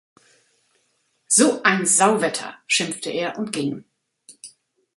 "So ein Sauwetter!", schimpfte er und ging.